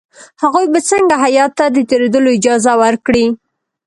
هغوی به څنګه هیات ته د تېرېدلو اجازه ورکړي.